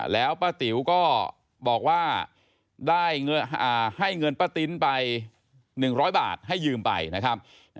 แล้วป้าติ๋วก็บอกว่าได้ให้เงินป้าติ๊นไป๑๐๐บาทให้ยืมไปนะครับ